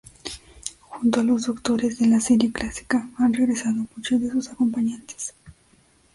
Junto a los Doctores de la serie clásica, han regresado muchos de sus acompañantes.